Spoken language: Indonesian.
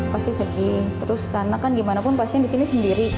pasti sedih terus karena kan gimana pun pasien di sini sendiri